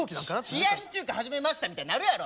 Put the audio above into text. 「冷やし中華始めました」みたいになるやろ！